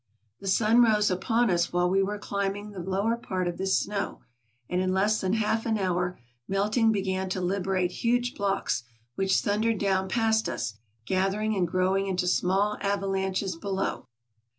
The sun rose upon us while we were climbing the lower part of this snow, and in less than half an hour, melt ing began to liberate huge blocks, which thundered down past us, gathering and growing into small avalanches below.